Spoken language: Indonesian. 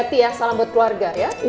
hati ya salam buat keluarga ya